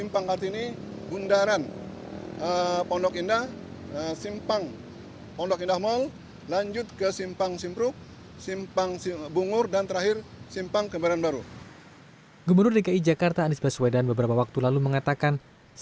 pagi ini kita enam tiga puluh sudah melaksanakan